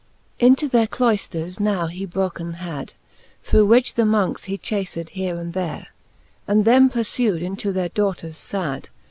Into their cloyfters now he broken had, Through which the Monckes he chaced here and there, And them purfu'd into their dortours fad.